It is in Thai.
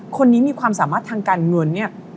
คนนี้มีความสามารถทางการเงินเนี่ย